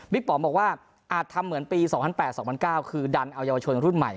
ป๋อมบอกว่าอาจทำเหมือนปี๒๐๐๘๒๐๐๙คือดันเอาเยาวชนรุ่นใหม่